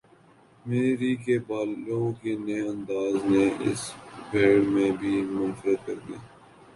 میری کے بالوں کے نئے انداز نے اسے بھیڑ میں بھی منفرد کر دیا تھا۔